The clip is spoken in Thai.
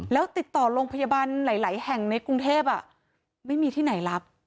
แล้วติดต่อโรงพยาบาลหลายแห่งในกรุงเทพไม่มีที่ไหนรับ